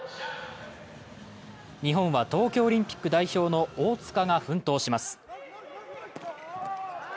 日本は東京オリンピック代表の大塚が奮闘します。